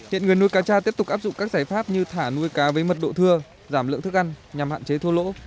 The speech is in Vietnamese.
hiện người nuôi cá tra tiếp tục áp dụng các giải pháp như thả nuôi cá với mật độ thưa giảm lượng thức ăn nhằm hạn chế thua lỗ